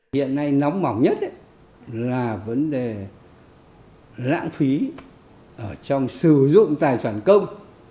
hiện nay nóng mỏng nhất là vấn đề lãng phí trong sử dụng tài sản công